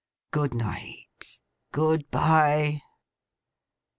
Good night. Good bye!